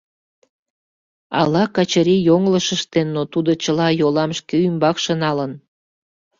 Ала Качырий йоҥылыш ыштен, но тудо чыла йолам шке ӱмбакше налын.